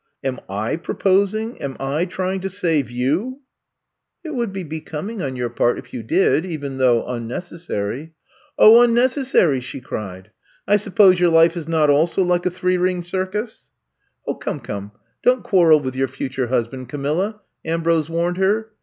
Am / proposing, am I trying to save youf *'It would be becoming on your part if you did — even though unnecessary. '' 0h, xmnecessary, " she cried. I sup pose your life is not also like a three ringed circus?" I'VE COMB TO STAY 41 Come, come, don't quarrel with your future husband, Camilla," Ambrose warned her.